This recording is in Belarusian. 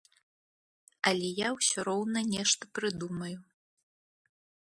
Але я ўсе роўна нешта прыдумаю.